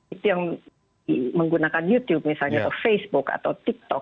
itu yang menggunakan youtube misalnya facebook atau tiktok